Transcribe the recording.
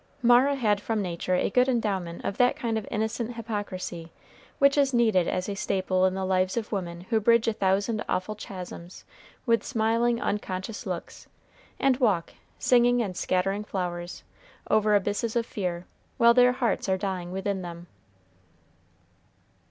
Mara had from nature a good endowment of that kind of innocent hypocrisy which is needed as a staple in the lives of women who bridge a thousand awful chasms with smiling, unconscious looks, and walk, singing and scattering flowers, over abysses of fear, while their hearts are dying within them.